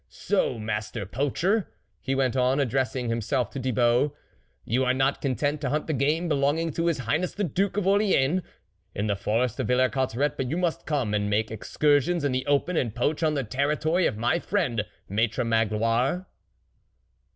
So, master poacher," he went on, addressing himself to Thibault, " you are not content to hunt the game belonging to his Highness the Duke of Orleans, in the forest of Villers Cotterets, but you must come and make excursions in the open and poach on the territory of my friend Maitre Magloire